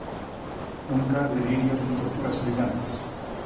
Nunca delirios nin torturas semellantes